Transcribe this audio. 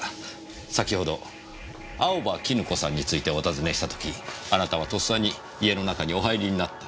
先ほど青葉絹子さんについてお尋ねした時あなたは咄嗟に家の中にお入りになった。